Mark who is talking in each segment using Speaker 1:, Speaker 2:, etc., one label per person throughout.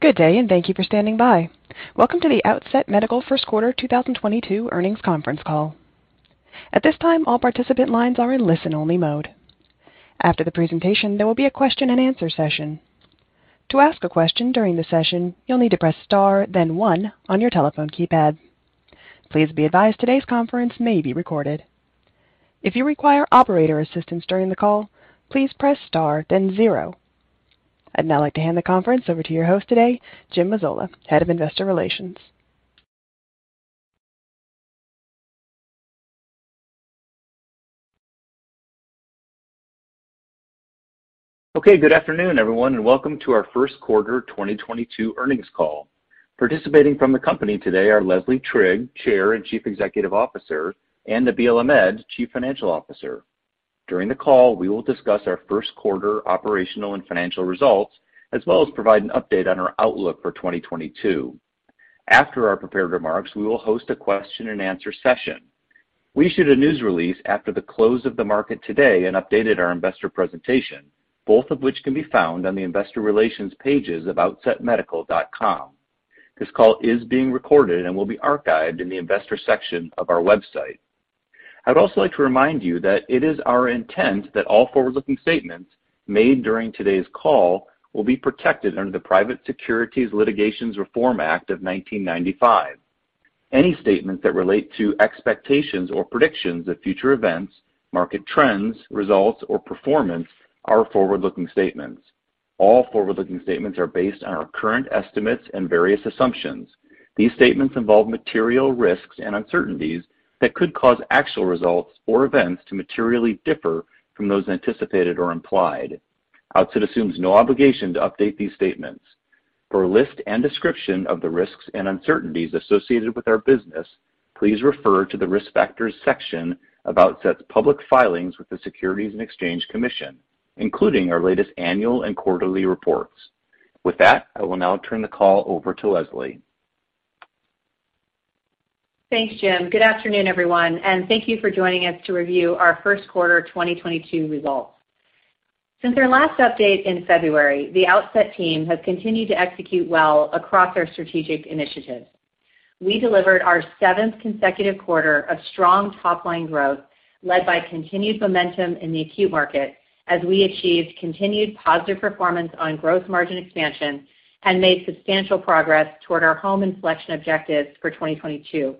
Speaker 1: Good day, and thank you for standing by. Welcome to the Outset Medical First Quarter 2022 earnings conference call. At this time, all participant lines are in listen-only mode. After the presentation, there will be a question-and-answer session. To ask a question during the session, you'll need to press star, then one on your telephone keypad. Please be advised today's conference may be recorded. If you require operator assistance during the call, please press star, then zero. I'd now like to hand the conference over to your host today, Jim Mazzola, Head of Investor Relations.
Speaker 2: Okay. Good afternoon, everyone, and welcome to our first quarter 2022 earnings call. Participating from the company today are Leslie Trigg, Chair and Chief Executive Officer, and Nabeel Ahmed, Chief Financial Officer. During the call, we will discuss our first quarter operational and financial results, as well as provide an update on our outlook for 2022. After our prepared remarks, we will host a question-and-answer session. We issued a news release after the close of the market today and updated our investor presentation, both of which can be found on the investor relations pages of outsetmedical.com. This call is being recorded and will be archived in the investor section of our website. I would also like to remind you that it is our intent that all forward-looking statements made during today's call will be protected under the Private Securities Litigation Reform Act of 1995. Any statements that relate to expectations or predictions of future events, market trends, results, or performance are forward-looking statements. All forward-looking statements are based on our current estimates and various assumptions. These statements involve material risks and uncertainties that could cause actual results or events to materially differ from those anticipated or implied. Outset assumes no obligation to update these statements. For a list and description of the risks and uncertainties associated with our business, please refer to the Risk Factors section of Outset's public filings with the Securities and Exchange Commission, including our latest annual and quarterly reports. With that, I will now turn the call over to Leslie.
Speaker 3: Thanks, Jim. Good afternoon, everyone, and thank you for joining us to review our first quarter 2022 results. Since our last update in February, the Outset team has continued to execute well across our strategic initiatives. We delivered our seventh consecutive quarter of strong top-line growth led by continued momentum in the acute market as we achieved continued positive performance on growth margin expansion and made substantial progress toward our home inflection objectives for 2022,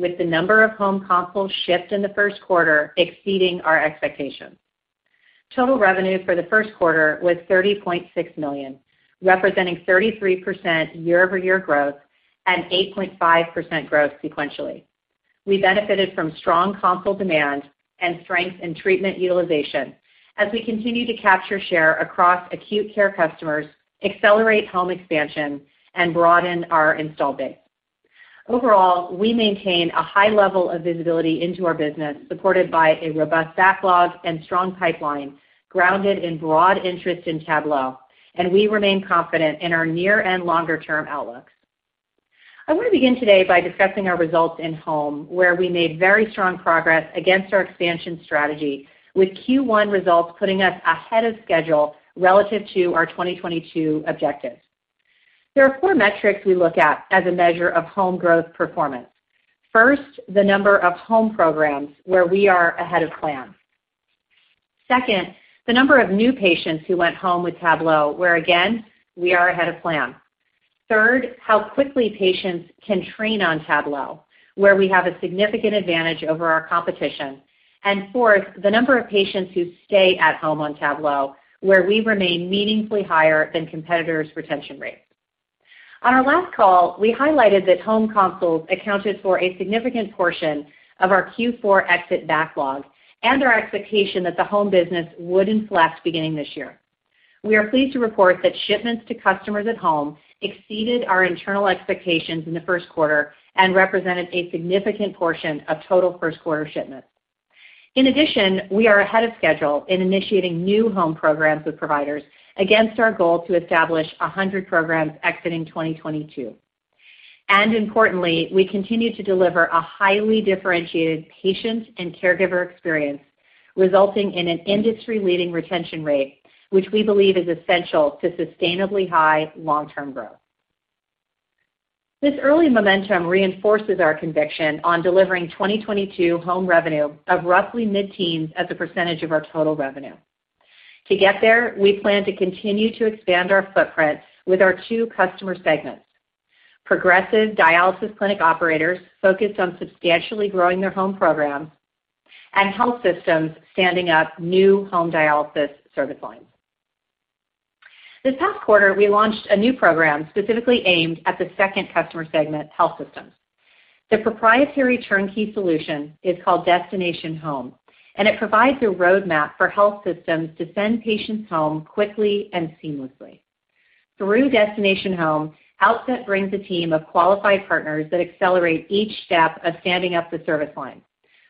Speaker 3: with the number of home consoles shipped in the first quarter exceeding our expectations. Total revenue for the first quarter was $30.6 million, representing 33% year-over-year growth and 8.5% growth sequentially. We benefited from strong console demand and strength in treatment utilization as we continue to capture share across acute care customers, accelerate home expansion, and broaden our install base. Overall, we maintain a high level of visibility into our business supported by a robust backlog and strong pipeline grounded in broad interest in Tablo, and we remain confident in our near and longer-term outlooks. I want to begin today by discussing our results in home, where we made very strong progress against our expansion strategy with Q1 results putting us ahead of schedule relative to our 2022 objectives. There are four metrics we look at as a measure of home growth performance. First, the number of home programs where we are ahead of plan. Second, the number of new patients who went home with Tablo, where again, we are ahead of plan. Third, how quickly patients can train on Tablo, where we have a significant advantage over our competition. Fourth, the number of patients who stay at home on Tablo, where we remain meaningfully higher than competitors' retention rates. On our last call, we highlighted that home consoles accounted for a significant portion of our Q4 exit backlog and our expectation that the home business would accelerate beginning this year. We are pleased to report that shipments to customers at home exceeded our internal expectations in the first quarter and represented a significant portion of total first quarter shipments. In addition, we are ahead of schedule in initiating new home programs with providers against our goal to establish 100 programs exiting 2022. Importantly, we continue to deliver a highly differentiated patient and caregiver experience resulting in an industry-leading retention rate, which we believe is essential to sustainably high long-term growth. This early momentum reinforces our conviction on delivering 2022 home revenue of roughly mid-teens% of our total revenue. To get there, we plan to continue to expand our footprint with our two customer segments. Progressive dialysis clinic operators focused on substantially growing their home programs and health systems standing up new home dialysis service lines. This past quarter, we launched a new program specifically aimed at the second customer segment, health systems. The proprietary turnkey solution is called Destination Home, and it provides a roadmap for health systems to send patients home quickly and seamlessly. Through Destination Home, Outset brings a team of qualified partners that accelerate each step of standing up the service line,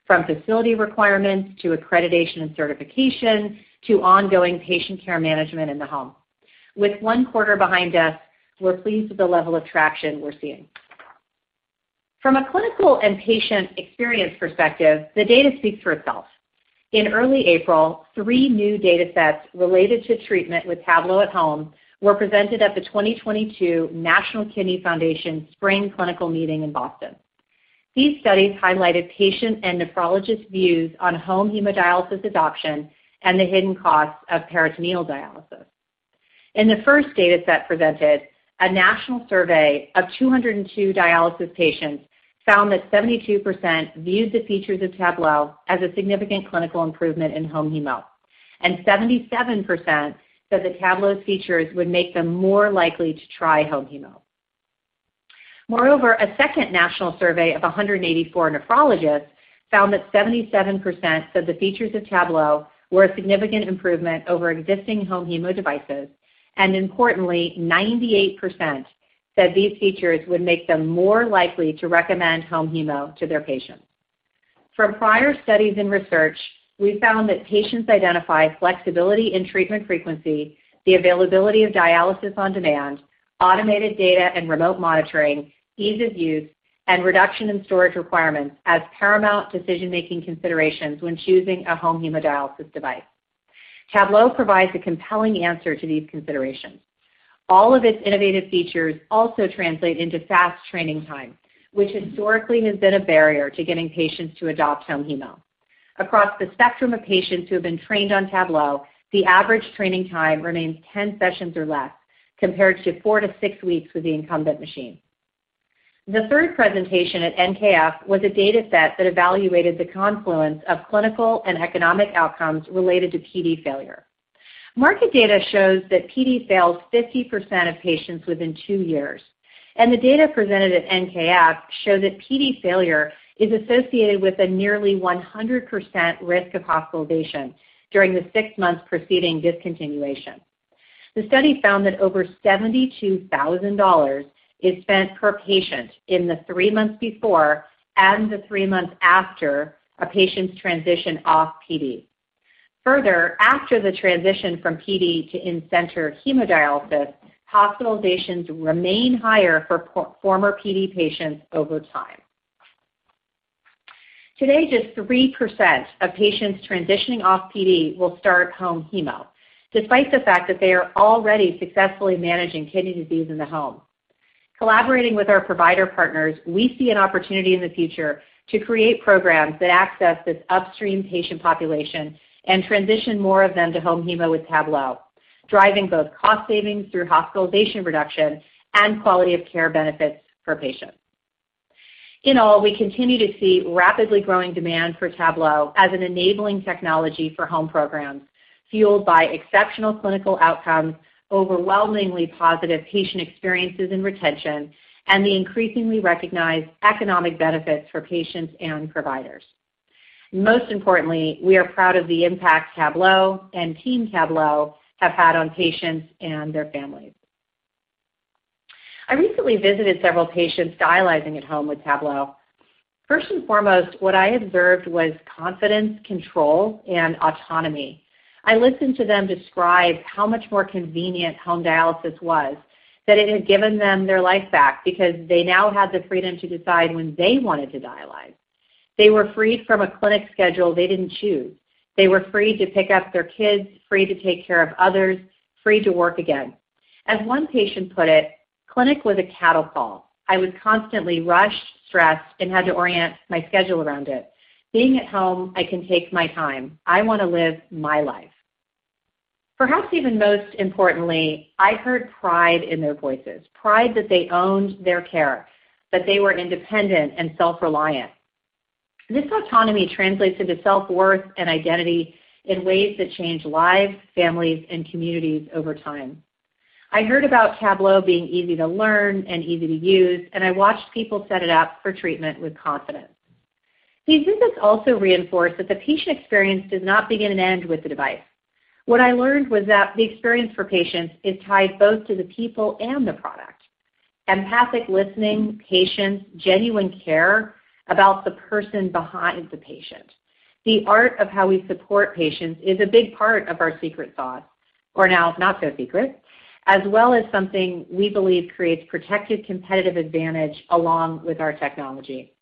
Speaker 3: from facility requirements to accreditation and certification, to ongoing patient care management in the home. With one quarter behind us, we're pleased with the level of traction we're seeing. From a clinical and patient experience perspective, the data speaks for itself. In early April, three new data sets related to treatment with Tablo at home were presented at the 2022 National Kidney Foundation Spring Clinical Meeting in Boston. These studies highlighted patient and nephrologist views on home hemodialysis adoption and the hidden costs of peritoneal dialysis. In the first dataset presented, a national survey of 202 dialysis patients found that 72% viewed the features of Tablo as a significant clinical improvement in home hemo, and 77% said that Tablo's features would make them more likely to try home hemo. Moreover, a second national survey of 184 nephrologists found that 77% said the features of Tablo were a significant improvement over existing home hemo devices, and importantly, 98% said these features would make them more likely to recommend home hemo to their patients. From prior studies and research, we found that patients identify flexibility in treatment frequency, the availability of dialysis on demand, automated data and remote monitoring, ease of use, and reduction in storage requirements as paramount decision-making considerations when choosing a home hemodialysis device. Tablo provides a compelling answer to these considerations. All of its innovative features also translate into fast training time, which historically has been a barrier to getting patients to adopt home hemo. Across the spectrum of patients who have been trained on Tablo, the average training time remains 10 sessions or less, compared to 4-6 weeks with the incumbent machine. The third presentation at NKF was a dataset that evaluated the confluence of clinical and economic outcomes related to PD failure. Market data shows that PD fails 50% of patients within two years, and the data presented at NKF show that PD failure is associated with a nearly 100% risk of hospitalization during the six months preceding discontinuation. The study found that over $72,000 is spent per patient in the three months before and the three months after a patient's transition off PD. Further, after the transition from PD to in-center hemodialysis, hospitalizations remain higher for former PD patients over time. Today, just 3% of patients transitioning off PD will start home hemo, despite the fact that they are already successfully managing kidney disease in the home. Collaborating with our provider partners, we see an opportunity in the future to create programs that access this upstream patient population and transition more of them to home hemo with Tablo, driving both cost savings through hospitalization reduction and quality of care benefits for patients. In all, we continue to see rapidly growing demand for Tablo as an enabling technology for home programs, fueled by exceptional clinical outcomes, overwhelmingly positive patient experiences and retention, and the increasingly recognized economic benefits for patients and providers. Most importantly, we are proud of the impact Tablo and team Tablo have had on patients and their families. I recently visited several patients dialyzing at home with Tablo. First and foremost, what I observed was confidence, control, and autonomy. I listened to them describe how much more convenient home dialysis was, that it had given them their life back because they now had the freedom to decide when they wanted to dialyze. They were freed from a clinic schedule they didn't choose. They were free to pick up their kids, free to take care of others, free to work again. As one patient put it, "Clinic was a cattle call. I was constantly rushed, stressed, and had to orient my schedule around it. Being at home, I can take my time. I want to live my life." Perhaps even most importantly, I heard pride in their voices, pride that they owned their care, that they were independent and self-reliant. This autonomy translates into self-worth and identity in ways that change lives, families, and communities over time. I heard about Tablo being easy to learn and easy to use, and I watched people set it up for treatment with confidence. These visits also reinforce that the patient experience does not begin and end with the device. What I learned was that the experience for patients is tied both to the people and the product. Empathic listening, patience, genuine care about the person behind the patient. The art of how we support patients is a big part of our secret sauce, or now not so secret, as well as something we believe creates protected competitive advantage along with our technology.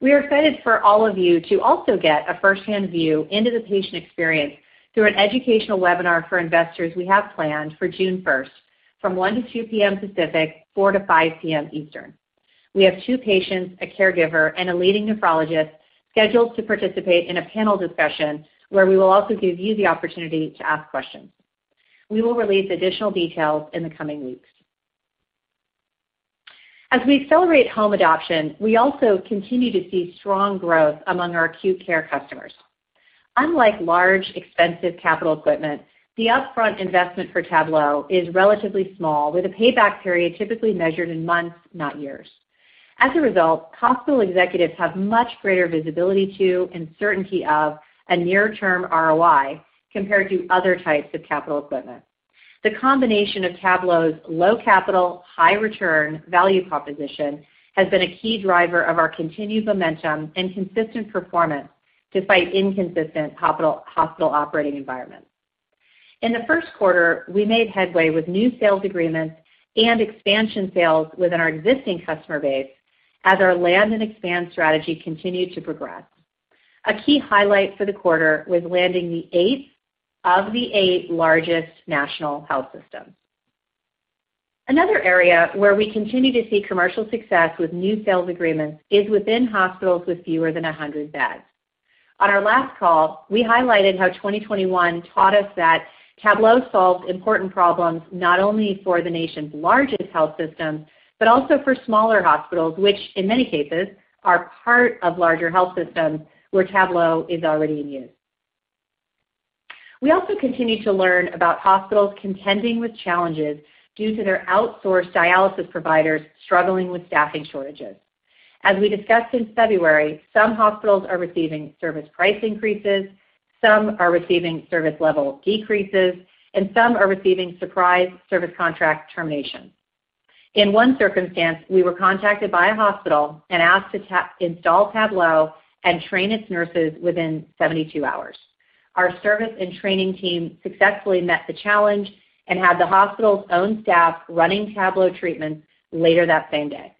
Speaker 3: We are excited for all of you to also get a first-hand view into the patient experience through an educational webinar for investors we have planned for June 1st from 1:00 to 2:00 P.M. Pacific, 4:00 to 5:00 P.M. Eastern. We have two patients, a caregiver, and a leading nephrologist scheduled to participate in a panel discussion where we will also give you the opportunity to ask questions. We will release additional details in the coming weeks. As we accelerate home adoption, we also continue to see strong growth among our acute care customers. Unlike large, expensive capital equipment, the upfront investment for Tablo is relatively small with a payback period typically measured in months, not years. As a result, hospital executives have much greater visibility to and certainty of a near-term ROI compared to other types of capital equipment. The combination of Tablo's low capital, high return value proposition has been a key driver of our continued momentum and consistent performance despite inconsistent hospital operating environments. In the first quarter, we made headway with new sales agreements and expansion sales within our existing customer base as our land and expand strategy continued to progress. A key highlight for the quarter was landing the eighth of the eight largest national health systems. Another area where we continue to see commercial success with new sales agreements is within hospitals with fewer than 100 beds. On our last call, we highlighted how 2021 taught us that Tablo solves important problems, not only for the nation's largest health systems, but also for smaller hospitals, which in many cases are part of larger health systems where Tablo is already in use. We also continue to learn about hospitals contending with challenges due to their outsourced dialysis providers struggling with staffing shortages. As we discussed in February, some hospitals are receiving service price increases, some are receiving service level decreases, and some are receiving surprise service contract terminations. In one circumstance, we were contacted by a hospital and asked to rapidly install Tablo and train its nurses within 72 hours. Our service and training team successfully met the challenge and had the hospital's own staff running Tablo treatments later that same day.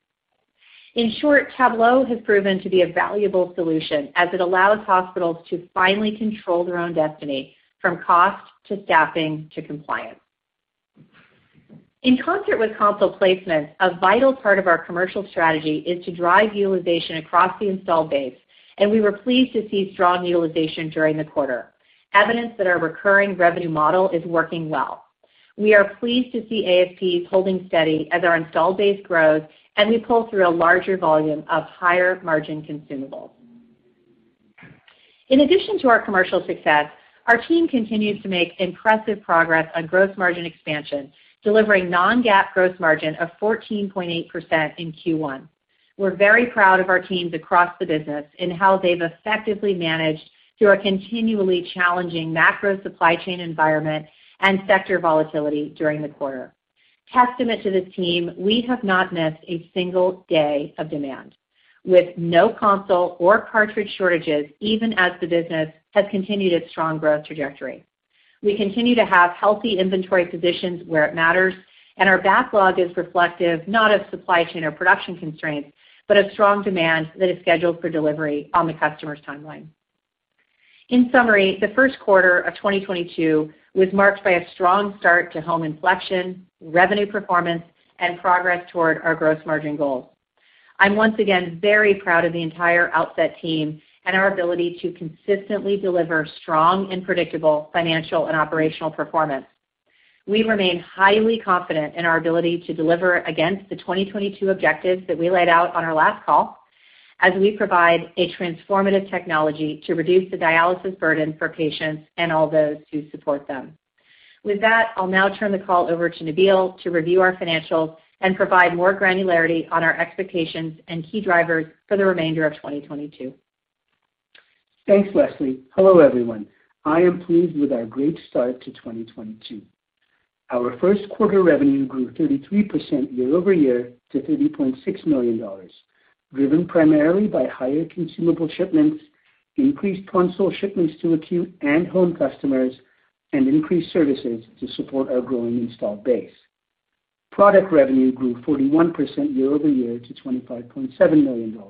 Speaker 3: In short, Tablo has proven to be a valuable solution as it allows hospitals to finally control their own destiny from cost to staffing to compliance. In concert with console placements, a vital part of our commercial strategy is to drive utilization across the install base, and we were pleased to see strong utilization during the quarter, evidence that our recurring revenue model is working well. We are pleased to see ASPs holding steady as our install base grows and we pull through a larger volume of higher margin consumables. In addition to our commercial success, our team continues to make impressive progress on gross margin expansion, delivering non-GAAP gross margin of 14.8% in Q1. We're very proud of our teams across the business in how they've effectively managed through a continually challenging macro supply chain environment and sector volatility during the quarter. Testament to this team, we have not missed a single day of demand. With no console or cartridge shortages, even as the business has continued its strong growth trajectory. We continue to have healthy inventory positions where it matters, and our backlog is reflective, not of supply chain or production constraints, but of strong demand that is scheduled for delivery on the customer's timeline. In summary, the first quarter of 2022 was marked by a strong start to home inflection, revenue performance, and progress toward our gross margin goals. I'm once again very proud of the entire Outset team and our ability to consistently deliver strong and predictable financial and operational performance. We remain highly confident in our ability to deliver against the 2022 objectives that we laid out on our last call as we provide a transformative technology to reduce the dialysis burden for patients and all those who support them. With that, I'll now turn the call over to Nabeel to review our financials and provide more granularity on our expectations and key drivers for the remainder of 2022.
Speaker 4: Thanks, Leslie. Hello, everyone. I am pleased with our great start to 2022. Our first quarter revenue grew 33% year-over-year to $30.6 million, driven primarily by higher consumable shipments, increased console shipments to acute and home customers, and increased services to support our growing installed base. Product revenue grew 41% year-over-year to $25.7 million.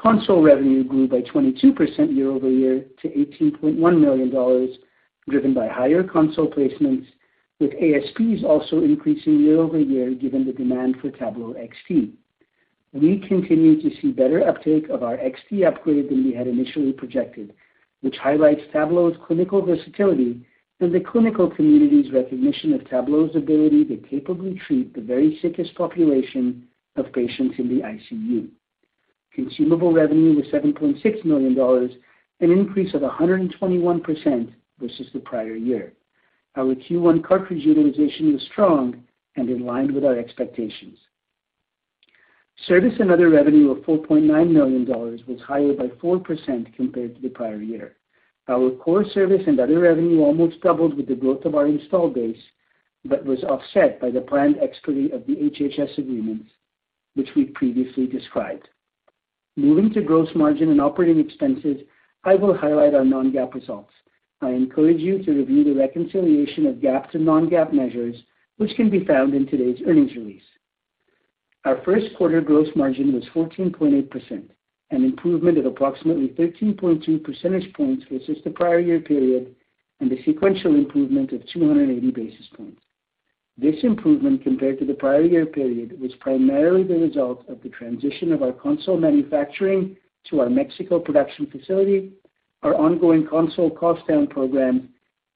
Speaker 4: Console revenue grew by 22% year-over-year to $18.1 million, driven by higher console placements, with ASPs also increasing year-over-year given the demand for Tablo XT. We continue to see better uptake of our XT upgrade than we had initially projected, which highlights Tablo's clinical versatility and the clinical community's recognition of Tablo's ability to capably treat the very sickest population of patients in the ICU. Consumable revenue was $7.6 million, an increase of 121% versus the prior year. Our Q1 cartridge utilization was strong and in line with our expectations. Service and other revenue of $4.9 million was higher by 4% compared to the prior year. Our core service and other revenue almost doubled with the growth of our install base, but was offset by the planned expiry of the HHS agreements, which we previously described. Moving to gross margin and operating expenses, I will highlight our non-GAAP results. I encourage you to review the reconciliation of GAAP to non-GAAP measures, which can be found in today's earnings release. Our first quarter gross margin was 14.8%, an improvement of approximately 13.2 percentage points versus the prior year period and a sequential improvement of 280 basis points. This improvement compared to the prior year period was primarily the result of the transition of our console manufacturing to our Mexico production facility, our ongoing console cost down program,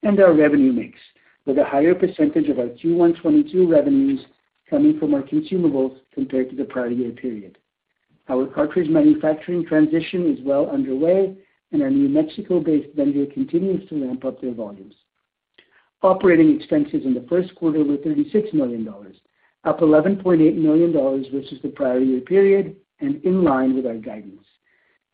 Speaker 4: and our revenue mix, with a higher percentage of our Q1 2022 revenues coming from our consumables compared to the prior year period. Our cartridge manufacturing transition is well underway and our new Mexico-based vendor continues to ramp up their volumes. Operating expenses in the first quarter were $36 million, up $11.8 million versus the prior year period and in line with our guidance.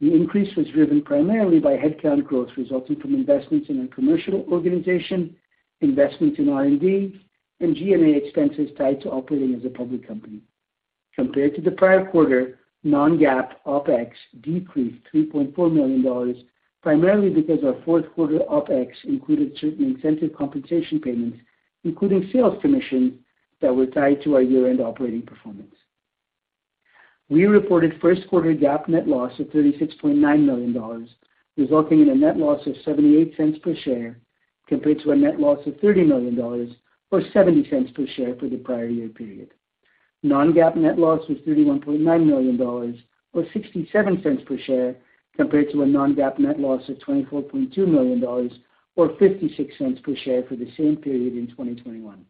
Speaker 4: The increase was driven primarily by headcount growth resulting from investments in our commercial organization, investments in R&D, and G&A expenses tied to operating as a public company. Compared to the prior quarter, non-GAAP OpEx decreased $3.4 million, primarily because our fourth quarter OpEx included certain incentive compensation payments, including sales commission that were tied to our year-end operating performance. We reported first quarter GAAP net loss of $36.9 million, resulting in a net loss of $0.78 per share, compared to a net loss of $30 million or $0.70 per share for the prior year period. Non-GAAP net loss was $31.9 million or $0.67 per share compared to a non-GAAP net loss of $24.2 million or $0.56 per share for the same period in 2021.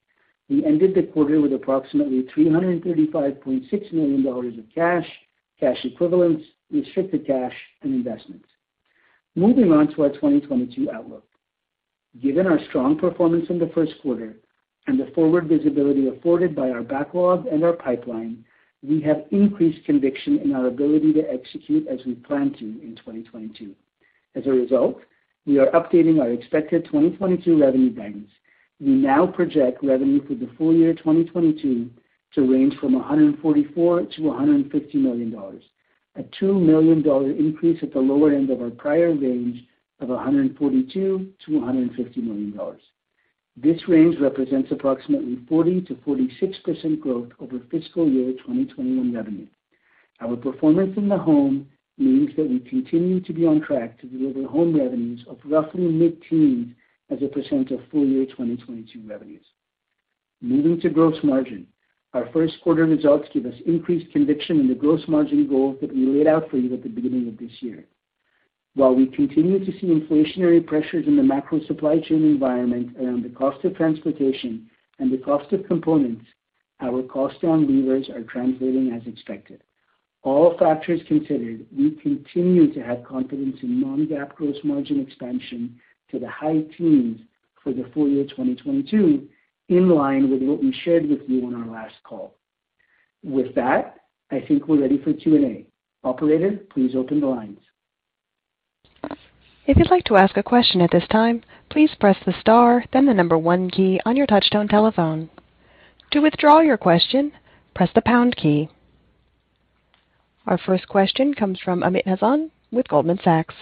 Speaker 4: We ended the quarter with approximately $335.6 million of cash equivalents, restricted cash and investments. Moving on to our 2022 outlook. Given our strong performance in the first quarter and the forward visibility afforded by our backlog and our pipeline, we have increased conviction in our ability to execute as we plan to in 2022. As a result, we are updating our expected 2022 revenue guidance. We now project revenue for the full year 2022 to range from $144-$150 million, a $2 million increase at the lower end of our prior range of $142-$150 million. This range represents approximately 40%-46% growth over fiscal year 2021 revenue. Our performance in the home means that we continue to be on track to deliver home revenues of roughly mid-teens as a percent of full year 2022 revenues. Moving to gross margin. Our first quarter results give us increased conviction in the gross margin goal that we laid out for you at the beginning of this year. While we continue to see inflationary pressures in the macro supply chain environment around the cost of transportation and the cost of components, our cost down levers are translating as expected. All factors considered, we continue to have confidence in non-GAAP gross margin expansion to the high teens for the full year 2022, in line with what we shared with you on our last call. With that, I think we're ready for Q&A. Operator, please open the lines.
Speaker 1: If you'd like to ask a question at this time, please press the star, then the number one key on your touchtone telephone. To withdraw your question, press the pound key. Our first question comes from Amit Hazan with Goldman Sachs.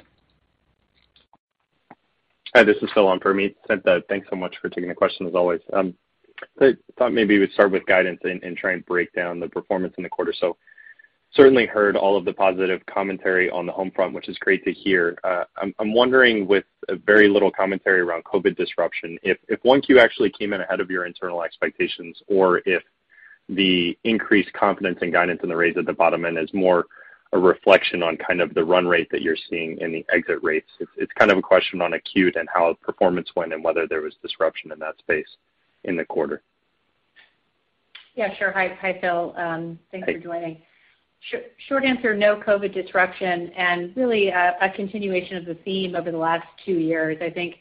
Speaker 5: Hi, this is Phil on for Amit Hazan. Thanks so much for taking the question as always. I thought maybe we'd start with guidance and try and break down the performance in the quarter. Certainly heard all of the positive commentary on the home front, which is great to hear. I'm wondering with very little commentary around COVID disruption if 1Q actually came in ahead of your internal expectations or if the increased confidence and guidance and the raise at the bottom end is more a reflection on kind of the run rate that you're seeing in the exit rates. It's kind of a question on acute and how performance went and whether there was disruption in that space in the quarter.
Speaker 3: Yeah, sure. Hi, hi, Phil. Thanks for joining. Short answer, no COVID disruption and really a continuation of the theme over the last two years. I think,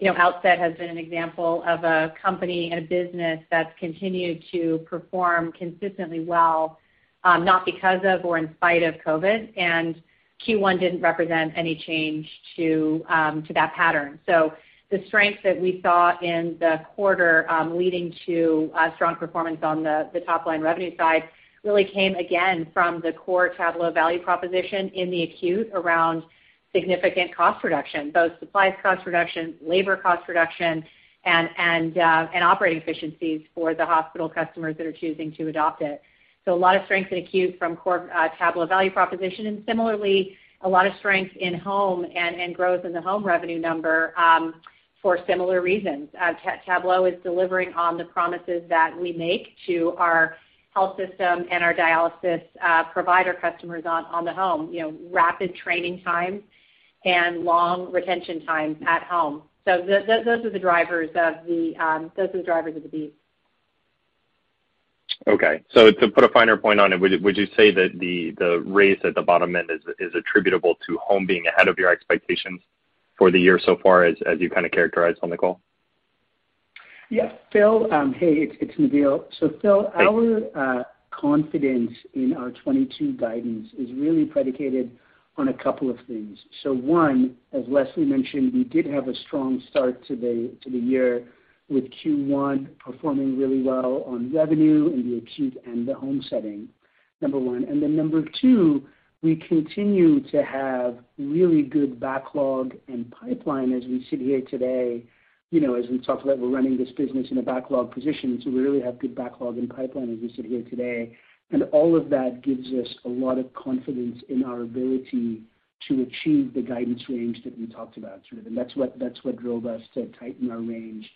Speaker 3: you know, Outset has been an example of a company and a business that's continued to perform consistently well, not because of or in spite of COVID, and Q1 didn't represent any change to that pattern. The strength that we saw in the quarter, leading to a strong performance on the top line revenue side really came again from the core Tablo value proposition in the acute around significant cost reduction, both supplies cost reduction, labor cost reduction and operating efficiencies for the hospital customers that are choosing to adopt it. A lot of strength in acute from core, Tablo value proposition and similarly a lot of strength in home and growth in the home revenue number, for similar reasons. Tablo is delivering on the promises that we make to our health system and our dialysis provider customers on the home, you know, rapid training times and long retention times at home. Those are the drivers of the beat.
Speaker 5: Okay. To put a finer point on it, would you say that the raise at the bottom end is attributable to home being ahead of your expectations for the year so far, as you kind of characterized on the call?
Speaker 4: Yeah. Phil, hey, it's Nabil. Phil, our confidence in our 2022 guidance is really predicated on a couple of things. One, as Leslie mentioned, we did have a strong start to the year with Q1 performing really well on revenue in the acute and the home setting, number one. Then number two, we continue to have really good backlog and pipeline as we sit here today. You know, as we talked about, we're running this business in a backlog position, so we really have good backlog and pipeline as we sit here today. All of that gives us a lot of confidence in our ability to achieve the guidance range that we talked about today. That's what drove us to tighten our range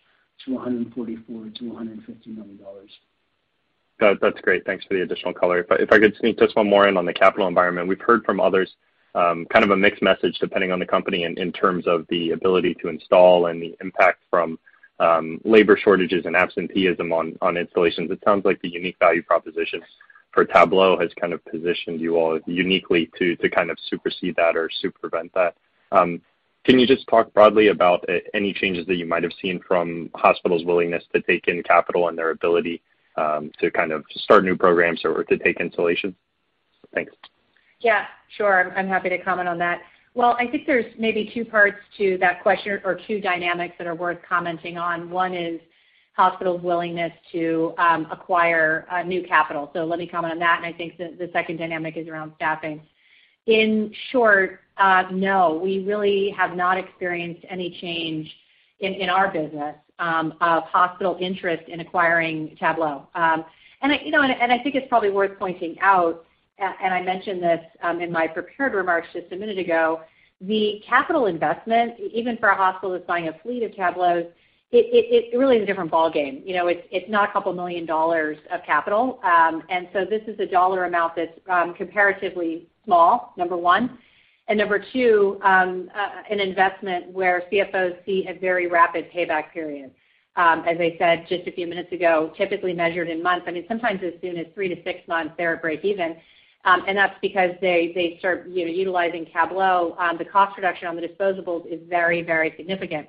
Speaker 4: to $144 million-$150 million.
Speaker 5: Got it. That's great. Thanks for the additional color. If I could sneak just one more in on the capital environment. We've heard from others, kind of a mixed message depending on the company in terms of the ability to install and the impact from labor shortages and absenteeism on installations. It sounds like the unique value proposition for Tablo has kind of positioned you all uniquely to kind of supersede that or circumvent that. Can you just talk broadly about any changes that you might have seen from hospitals' willingness to take in capital and their ability to kind of start new programs or to take installations?
Speaker 3: Yeah, sure. I'm happy to comment on that. Well, I think there's maybe two parts to that question or two dynamics that are worth commenting on. One is hospital willingness to acquire new capital. Let me comment on that, and I think the second dynamic is around staffing. In short, no, we really have not experienced any change in our business of hospital interest in acquiring Tablo. And I, you know, and I think it's probably worth pointing out, and I mentioned this in my prepared remarks just a minute ago, the capital investment, even for a hospital that's buying a fleet of Tablos, it really is a different ballgame. You know, it's not a couple million dollars of capital. And so this is a dollar amount that's comparatively small, number one. Number two, an investment where CFOs see a very rapid payback period. As I said just a few minutes ago, typically measured in months, I mean, sometimes as soon as 3-6 months, they're at breakeven. That's because they start, you know, utilizing Tablo, the cost reduction on the disposables is very, very significant.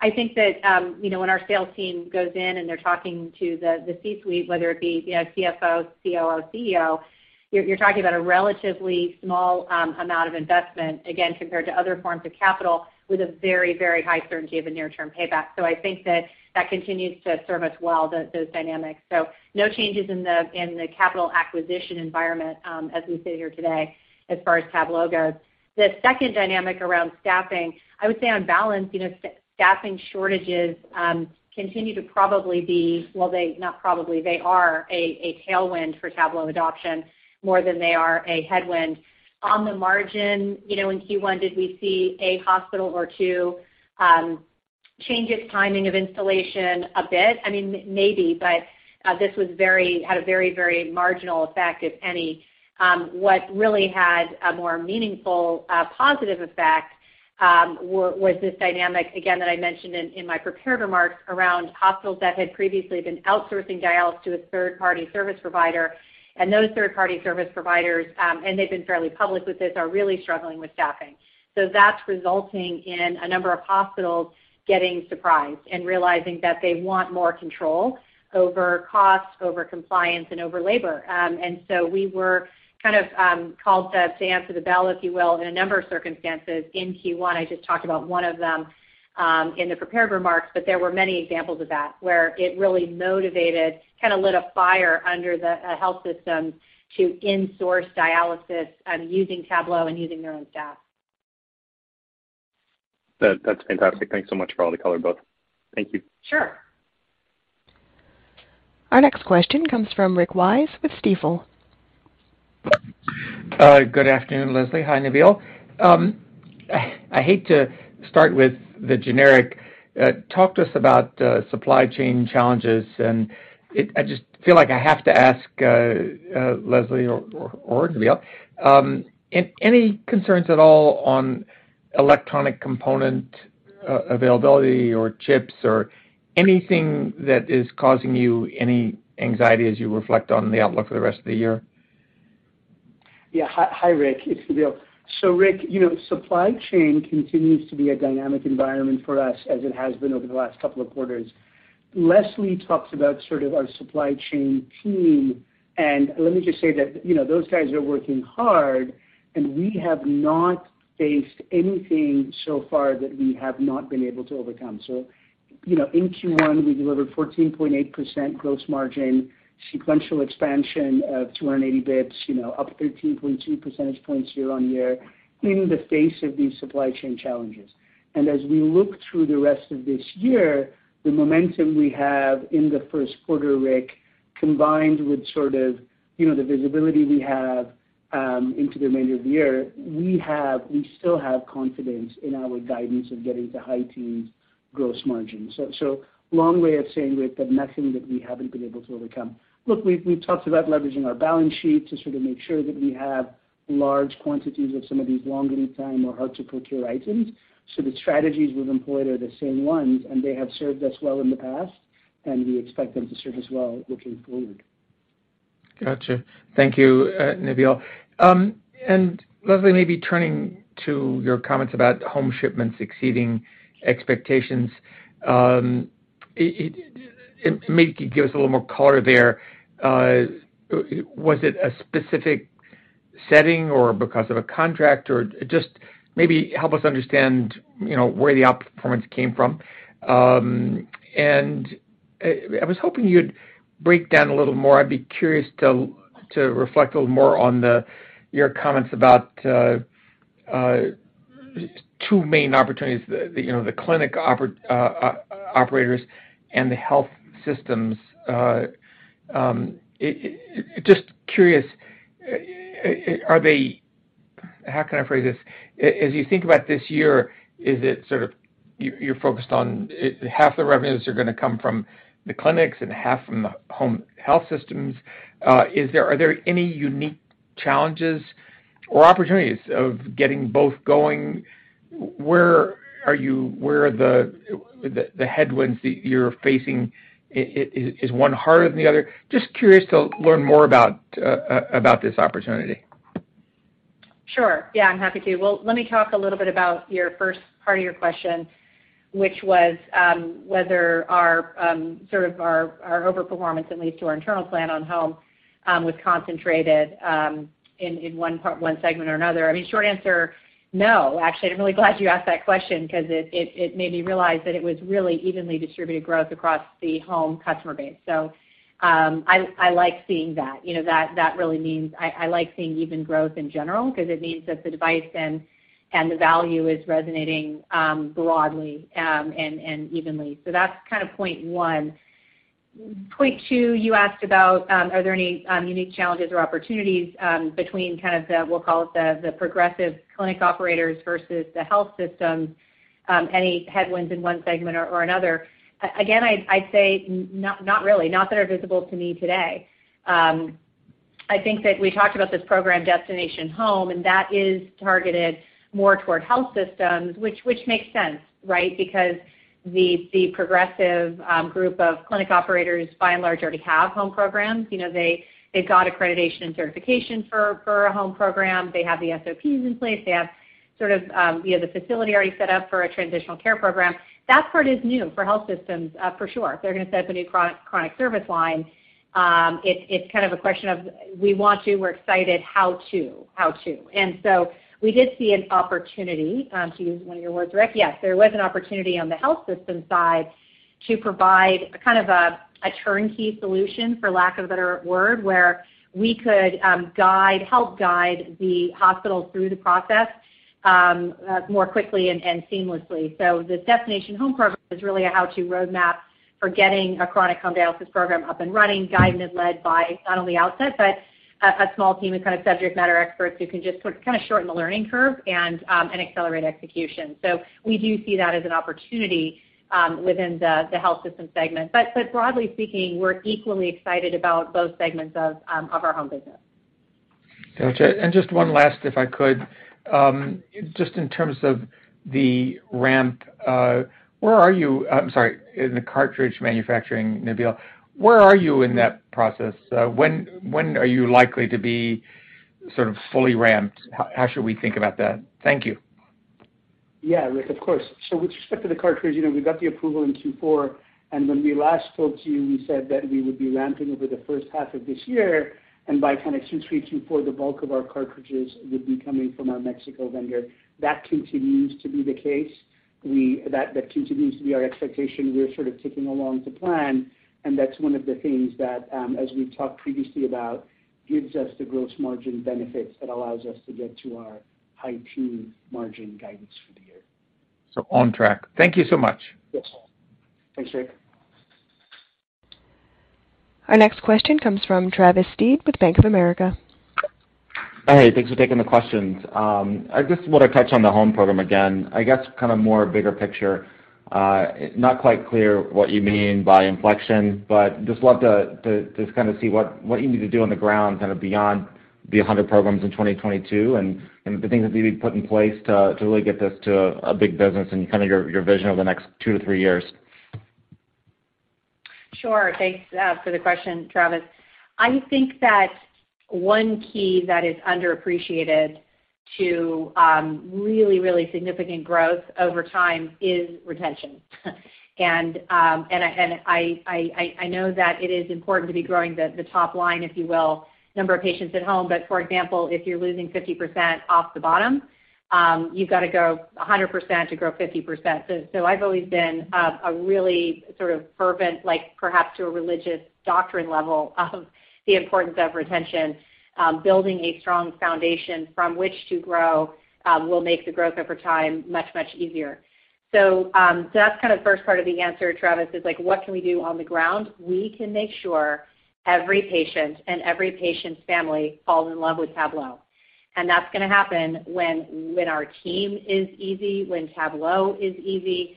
Speaker 3: I think that, you know, when our sales team goes in and they're talking to the C-suite, whether it be, you know, CFO, COO, CEO, you're talking about a relatively small amount of investment, again, compared to other forms of capital with a very, very high certainty of a near-term payback. I think that continues to serve us well, those dynamics. No changes in the capital acquisition environment as we sit here today as far as Tablo goes. The second dynamic around staffing, I would say on balance, you know, staffing shortages continue to be a tailwind for Tablo adoption more than they are a headwind. On the margin, you know, in Q1, did we see a hospital or two change its timing of installation a bit? I mean, maybe, but this had a very, very marginal effect, if any. What really had a more meaningful positive effect was this dynamic, again, that I mentioned in my prepared remarks around hospitals that had previously been outsourcing dialysis to a third-party service provider and those third-party service providers, and they've been fairly public with this, are really struggling with staffing. That's resulting in a number of hospitals getting surprised and realizing that they want more control over cost, over compliance, and over labor. We were kind of called to answer the bell, if you will, in a number of circumstances in Q1. I just talked about one of them in the prepared remarks, but there were many examples of that where it really motivated, kinda lit a fire under a health system to in-source dialysis using Tablo and using their own staff.
Speaker 5: That, that's fantastic. Thanks so much for all the color, both. Thank you.
Speaker 3: Sure.
Speaker 1: Our next question comes from Rick Wise with Stifel.
Speaker 6: Good afternoon, Leslie. Hi, Nabil. I hate to start with the generic. Talk to us about supply chain challenges. I just feel like I have to ask, Leslie or Nabil, any concerns at all on electronic component availability or chips or anything that is causing you any anxiety as you reflect on the outlook for the rest of the year?
Speaker 4: Yeah. Hi, Rick. It's Nabeel. Rick, you know, supply chain continues to be a dynamic environment for us as it has been over the last couple of quarters. Leslie talked about sort of our supply chain team, and let me just say that, you know, those guys are working hard, and we have not faced anything so far that we have not been able to overcome. You know, in Q1, we delivered 14.8% gross margin, sequential expansion of 280 basis points, you know, up 13.2 percentage points year-over-year in the face of these supply chain challenges. As we look through the rest of this year, the momentum we have in the first quarter, Rick, combined with sort of, you know, the visibility we have into the remainder of the year, we still have confidence in our guidance of getting to high teens gross margin. So long way of saying, Rick, that nothing that we haven't been able to overcome. Look, we've talked about leveraging our balance sheet to sort of make sure that we have large quantities of some of these long lead time or hard to procure items. So the strategies we've employed are the same ones, and they have served us well in the past, and we expect them to serve us well looking forward.
Speaker 6: Gotcha. Thank you, Nabeel. Leslie, maybe turning to your comments about home shipments exceeding expectations, you maybe can give us a little more color there. Was it a specific setting or because of a contract or just maybe help us understand, you know, where the outperformance came from. I was hoping you'd break down a little more. I'd be curious to reflect a little more on your comments about two main opportunities, you know, the clinic operators and the health systems. I'm just curious, are they? How can I phrase this? As you think about this year, is it sort of you're focused on if half the revenues are gonna come from the clinics and half from the home health systems, are there any unique challenges or opportunities of getting both going? Where are the headwinds that you're facing? Is one harder than the other? Just curious to learn more about this opportunity.
Speaker 3: Sure. Yeah, I'm happy to. Well, let me talk a little bit about your first part of your question, which was whether our sort of our overperformance at least to our internal plan on home was concentrated in one part, one segment or another. I mean, short answer, no. Actually, I'm really glad you asked that question because it made me realize that it was really evenly distributed growth across the home customer base. So, I like seeing that, you know. That really means I like seeing even growth in general because it means that the device and the value is resonating broadly and evenly. So that's kind of point one. Point two, you asked about, are there any unique challenges or opportunities, between kind of the, we'll call it the progressive clinic operators versus the health system, any headwinds in one segment or another. Again, I'd say not really, not that are visible to me today. I think that we talked about this program, Destination Home, and that is targeted more toward health systems, which makes sense, right? Because the progressive group of clinic operators, by and large, already have home programs. You know, they've got accreditation and certification for a home program. They have the SOPs in place. They have sort of, you know, the facility already set up for a transitional care program. That part is new for health systems, for sure. If they're gonna set up a new chronic service line, it's kind of a question of, we're excited, how to. We did see an opportunity to use one of your words, Rick. Yes, there was an opportunity on the health system side to provide a kind of turnkey solution, for lack of a better word, where we could help guide the hospital through the process more quickly and seamlessly. The Destination Home program is really a how-to roadmap for getting a chronic home dialysis program up and running, guided and led by not only Outset, but a small team of kind of subject matter experts who can just sort of shorten the learning curve and accelerate execution. We do see that as an opportunity within the health system segment. Broadly speaking, we're equally excited about both segments of our home business.
Speaker 6: Gotcha. Just one last, if I could. Just in terms of the ramp, I'm sorry. In the cartridge manufacturing, Nabeel, where are you in that process? When are you likely to be sort of fully ramped? How should we think about that? Thank you.
Speaker 4: Yeah, Rick, of course. With respect to the cartridge, you know, we got the approval in Q4, and when we last spoke to you, we said that we would be ramping over the first half of this year, and by kind of Q3, Q4, the bulk of our cartridges would be coming from our Mexico vendor. That continues to be the case. That continues to be our expectation. We're sort of ticking along to plan, and that's one of the things that, as we've talked previously about, gives us the gross margin benefits that allows us to get to our high teen margin guidance for the year.
Speaker 6: On track. Thank you so much.
Speaker 4: Yes. Thanks, Rick.
Speaker 1: Our next question comes from Travis Steed with Bank of America.
Speaker 7: Hey, thanks for taking the questions. I just wanna touch on the home program again. I guess kind of more bigger picture, not quite clear what you mean by inflection, but just love to just kind of see what you need to do on the ground, kind of beyond the 100 programs in 2022, and the things that need to be put in place to really get this to a big business and kind of your vision over the next 2-3 years.
Speaker 3: Sure. Thanks for the question, Travis. I think that one key that is underappreciated to really significant growth over time is retention. I know that it is important to be growing the top line, if you will, number of patients at home. For example, if you're losing 50% off the bottom, you've got to go 100% to grow 50%. I've always been a really sort of fervent, like perhaps to a religious doctrine level of the importance of retention. Building a strong foundation from which to grow will make the growth over time much easier. That's kind of first part of the answer, Travis, is like, what can we do on the ground? We can make sure every patient and every patient's family falls in love with Tablo. That's gonna happen when our team is easy, when Tablo is easy,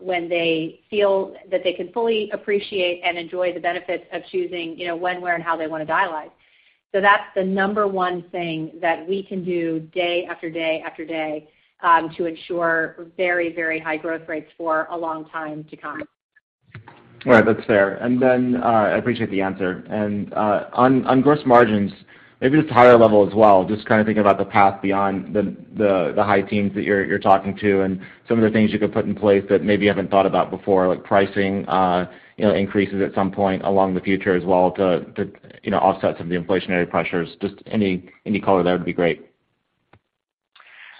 Speaker 3: when they feel that they can fully appreciate and enjoy the benefits of choosing, you know, when, where, and how they wanna dialyze. That's the number one thing that we can do day after day after day to ensure very, very high growth rates for a long time to come.
Speaker 7: All right, that's fair. I appreciate the answer. On gross margins, maybe just higher level as well, just kind of thinking about the path beyond the high teens that you're talking to and some of the things you could put in place that maybe you haven't thought about before, like pricing, you know, increases at some point in the future as well to you know, offset some of the inflationary pressures. Just any color there would be great.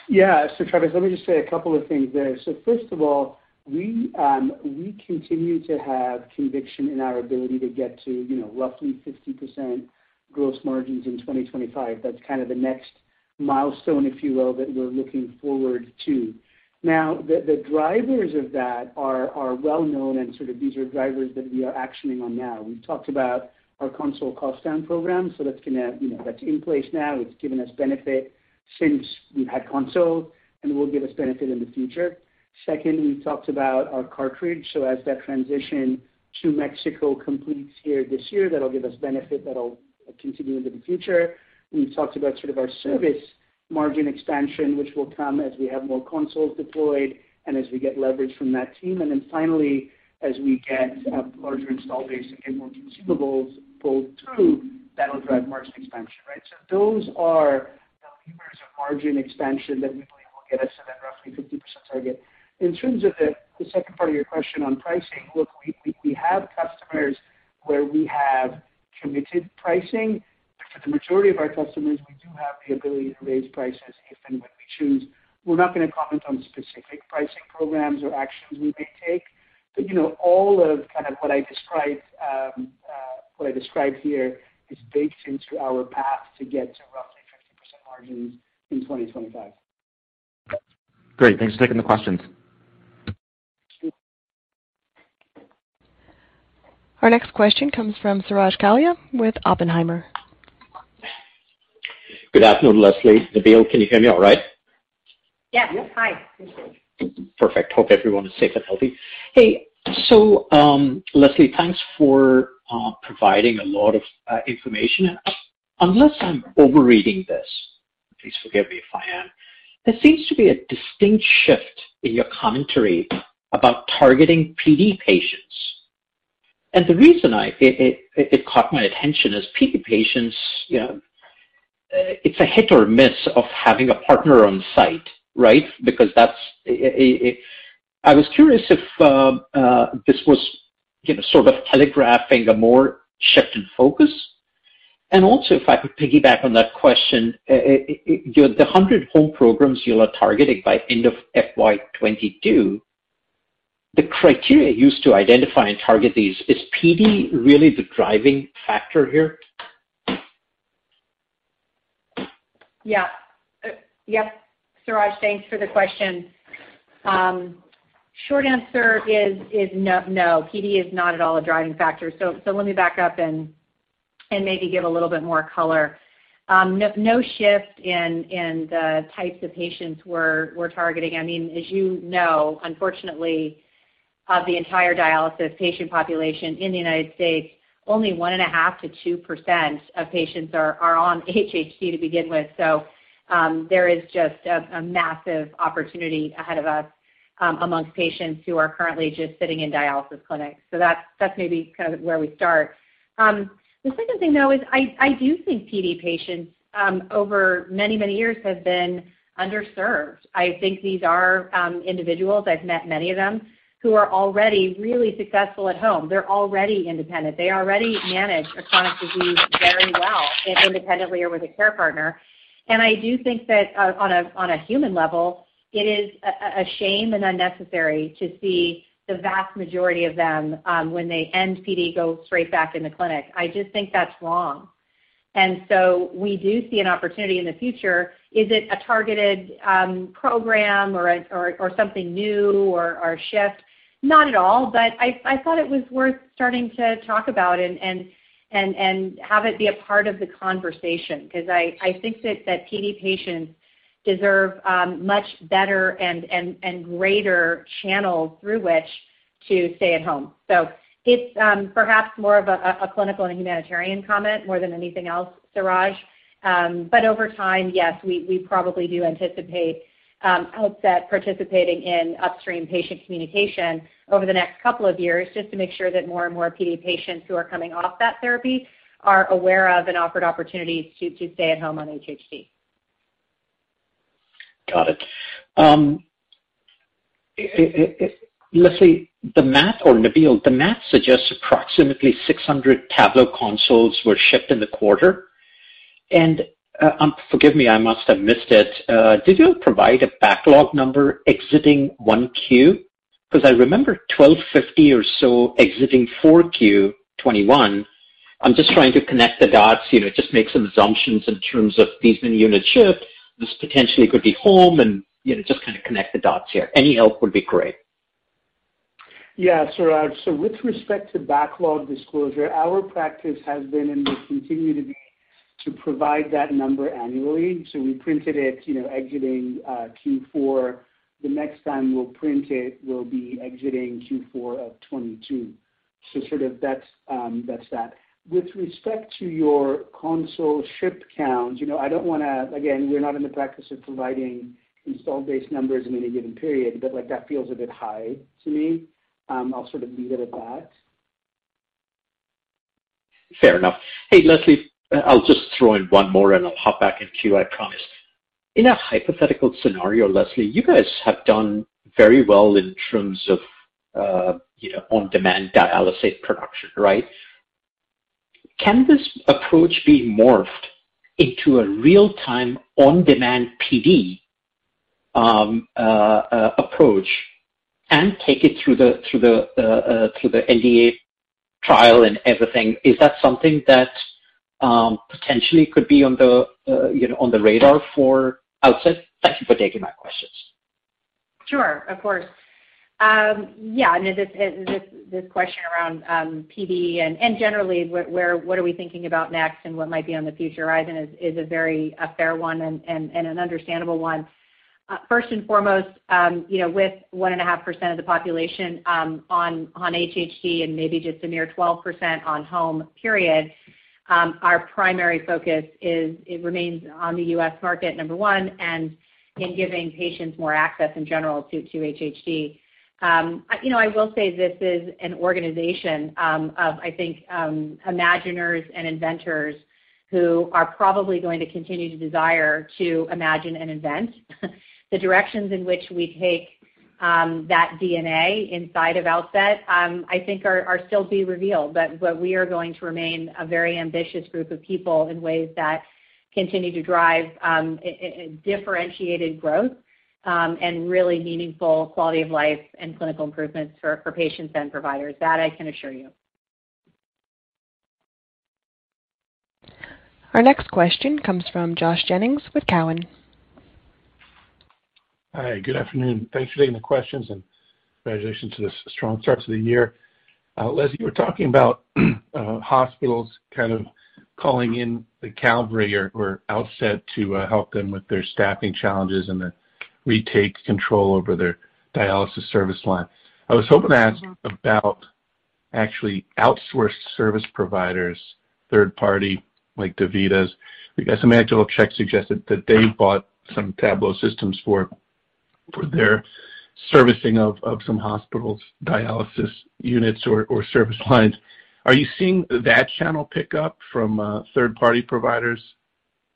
Speaker 4: Yeah. Travis, let me just say a couple of things there. First of all, we continue to have conviction in our ability to get to, you know, roughly 50% gross margins in 2025. That's kind of the next milestone, if you will, that we're looking forward to. Now, the drivers of that are well known and sort of these are drivers that we are actioning on now. We've talked about our console cost down program. That's gonna, you know, that's in place now. It's given us benefit since we've had console and will give us benefit in the future. Second, we talked about our cartridge. As that transition to Mexico completes here this year, that'll give us benefit that'll continue into the future. We've talked about sort of our service margin expansion, which will come as we have more consoles deployed and as we get leverage from that team. Finally, as we get a larger install base and get more consumables pulled through, that'll drive margin expansion, right? Those are margin expansion that we believe will get us to that roughly 50% target. In terms of the second part of your question on pricing, look, we have customers where we have committed pricing. For the majority of our customers, we do have the ability to raise prices if and when we choose. We're not gonna comment on specific pricing programs or actions we may take. You know, all of, kind of what I described here is baked into our path to get to roughly 50% margins in 2025.
Speaker 7: Great. Thanks for taking the questions.
Speaker 1: Our next question comes from Suraj Kalia with Oppenheimer.
Speaker 8: Good afternoon, Leslie, Nabeel. Can you hear me all right?
Speaker 3: Yes. Hi.
Speaker 8: Perfect. Hope everyone is safe and healthy. Hey, so, Leslie, thanks for providing a lot of information. Unless I'm overreading this, please forgive me if I am, there seems to be a distinct shift in your commentary about targeting PD patients. The reason it caught my attention is PD patients, you know, it's a hit or miss of having a partner on site, right? I was curious if this was, you know, sort of telegraphing a more shift in focus. Also, if I could piggyback on that question, you know, the 100 home programs you are targeting by end of FY 2022, the criteria used to identify and target these, is PD really the driving factor here?
Speaker 3: Yeah. Yep. Suraj, thanks for the question. Short answer is no. PD is not at all a driving factor. So let me back up and maybe give a little bit more color. No shift in the types of patients we're targeting. I mean, as you know, unfortunately, of the entire dialysis patient population in the United States, only 1.5%-2% of patients are on HHD to begin with. So there is just a massive opportunity ahead of us, amongst patients who are currently just sitting in dialysis clinics. So that's maybe kind of where we start. The second thing, though, is I do think PD patients, over many years have been underserved. I think these are individuals I've met many of them, who are already really successful at home. They're already independent. They already manage a chronic disease very well, if independently or with a care partner. I do think that on a human level, it is a shame and unnecessary to see the vast majority of them, when they end PD, go straight back in the clinic. I just think that's wrong. We do see an opportunity in the future. Is it a targeted program or something new or a shift? Not at all. I thought it was worth starting to talk about and have it be a part of the conversation, because I think that PD patients deserve much better and greater channels through which to stay at home. It's perhaps more of a clinical and humanitarian comment more than anything else, Suraj. Over time, yes, we probably do anticipate Outset participating in upstream patient communication over the next couple of years just to make sure that more and more PD patients who are coming off that therapy are aware of and offered opportunities to stay at home on HHD.
Speaker 8: Got it. Leslie, the math or Nabil, the math suggests approximately 600 Tablo consoles were shipped in the quarter. Forgive me, I must have missed it. Did you provide a backlog number exiting 1Q? Because I remember 1,250 or so exiting 4Q 2021. I'm just trying to connect the dots, you know, just make some assumptions in terms of these new units shipped. This potentially could be home and, you know, just kind of connect the dots here. Any help would be great.
Speaker 4: Yeah, Suraj. With respect to backlog disclosure, our practice has been and will continue to be to provide that number annually. We printed it, you know, exiting Q4. The next time we'll print it will be exiting Q4 of 2022. Sort of that's that. With respect to your console ship count, you know, I don't wanna. Again, we're not in the practice of providing install-based numbers in any given period, but, like, that feels a bit high to me. I'll sort of leave it at that.
Speaker 8: Fair enough. Hey, Leslie, I'll just throw in one more, and I'll hop back in queue, I promise. In a hypothetical scenario, Leslie, you guys have done very well in terms of, you know, on-demand dialysis production, right? Can this approach be morphed into a real-time, on-demand PD approach and take it through the IDE trial and everything? Is that something that potentially could be on the, you know, on the radar for Outset? Thank you for taking my questions.
Speaker 3: Sure. Of course. Yeah, I mean, this question around PD and generally what are we thinking about next and what might be on the future horizon is a very fair one and an understandable one. First and foremost, you know, with 1.5% of the population on HHD and maybe just a mere 12% on home, our primary focus is, it remains on the U.S. market, number one, and in giving patients more access in general to HHD. You know, I will say this is an organization of, I think, imaginers and inventors who are probably going to continue to desire to imagine and invent. The directions in which we take that DNA inside of Outset, I think are still be revealed. We are going to remain a very ambitious group of people in ways that continue to drive a differentiated growth and really meaningful quality of life and clinical improvements for patients and providers. That I can assure you.
Speaker 1: Our next question comes from Josh Jennings with Cowen.
Speaker 9: Hi, good afternoon. Thanks for taking the questions, and congratulations to the strong starts of the year. Leslie, you were talking about hospitals kind of calling in the cavalry or Outset to help them with their staffing challenges and then retake control over their dialysis service line. I was hoping to ask.
Speaker 3: Mm-hmm.
Speaker 9: About actually outsourced service providers, third party, like DaVita's. We got some anecdotal checks suggested that they bought some Tablo systems for their servicing of some hospitals' dialysis units or service lines. Are you seeing that channel pick up from third-party providers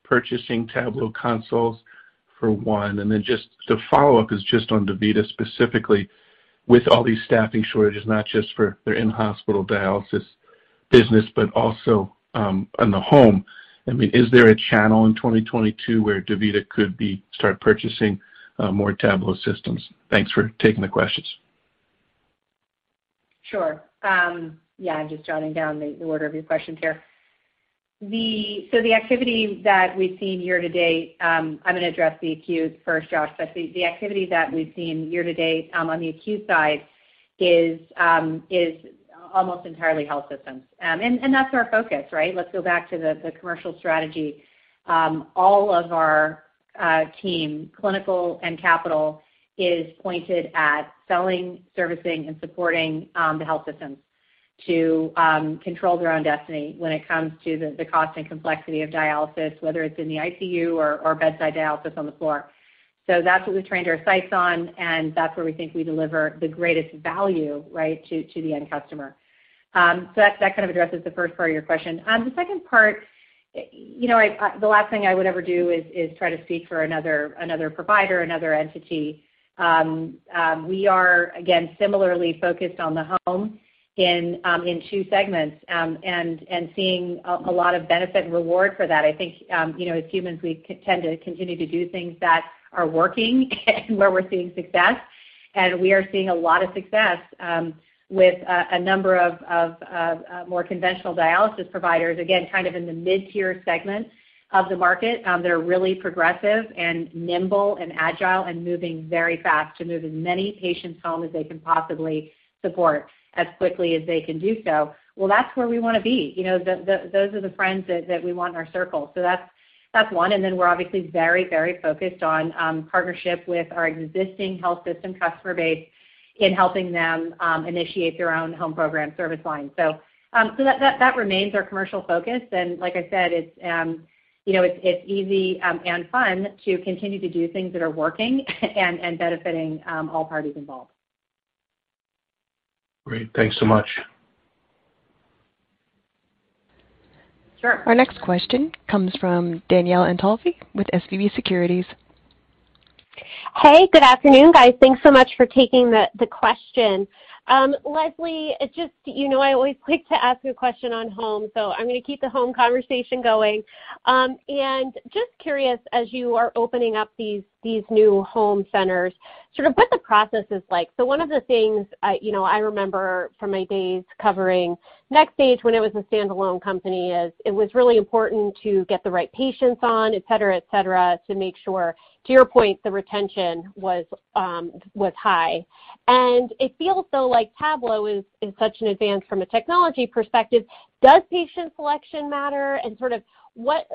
Speaker 9: purchasing Tablo consoles, for one? Just the follow-up is just on DaVita specifically, with all these staffing shortages, not just for their in-hospital dialysis business, but also in the home. I mean, is there a channel in 2022 where DaVita could start purchasing more Tablo systems? Thanks for taking the questions.
Speaker 3: Yeah, I'm just jotting down the order of your questions here. The activity that we've seen year-to-date, I'm gonna address the acute first, Josh. The activity that we've seen year-to-date, on the acute side is almost entirely health systems. And that's our focus, right? Let's go back to the commercial strategy. All of our team, clinical and capital, is pointed at selling, servicing, and supporting the health systems to control their own destiny when it comes to the cost and complexity of dialysis, whether it's in the ICU or bedside dialysis on the floor. That's what we've trained our sights on, and that's where we think we deliver the greatest value, right, to the end customer. That kind of addresses the first part of your question. The second part, you know, I, the last thing I would ever do is try to speak for another provider, another entity. We are, again, similarly focused on the home in two segments, and seeing a lot of benefit and reward for that. I think, you know, as humans, we tend to continue to do things that are working and where we're seeing success. We are seeing a lot of success with a number of more conventional dialysis providers, again, kind of in the mid-tier segment of the market, that are really progressive and nimble and agile and moving very fast to move as many patients home as they can possibly support as quickly as they can do so. Well, that's where we wanna be. You know, those are the friends that we want in our circle. That's one, and then we're obviously very focused on partnership with our existing health system customer base in helping them initiate their own home program service line. That remains our commercial focus. Like I said, you know, it's easy and fun to continue to do things that are working and benefiting all parties involved.
Speaker 9: Great. Thanks so much.
Speaker 3: Sure.
Speaker 1: Our next question comes from Danielle Antalffy with SVB Securities.
Speaker 10: Hey, good afternoon, guys. Thanks so much for taking the question. Leslie, just, you know I always like to ask a question on home, so I'm gonna keep the home conversation going. Just curious, as you are opening up these new home centers, sort of what the process is like. One of the things, you know, I remember from my days covering NxStage when it was a standalone company is it was really important to get the right patients on, et cetera, et cetera, to make sure, to your point, the retention was high. It feels though like Tablo is such an advance from a technology perspective. Does patient selection matter and sort of what